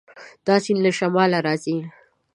دا سیند له شماله راځي.